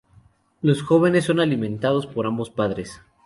Los jóvenes son alimentados por ambos padres.